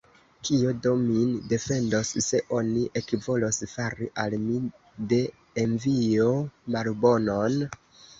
Kio do min defendos, se oni ekvolos fari al mi de envio malbonon?